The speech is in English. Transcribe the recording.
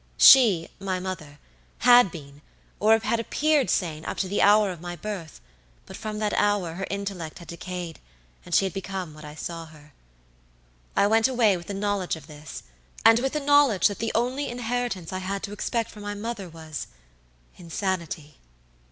She, my mother, had been, or had appeared sane up to the hour of my birth, but from that hour her intellect had decayed, and she had become what I saw her. "I went away with the knowledge of this, and with the knowledge that the only inheritance I had to expect from my mother wasinsanity!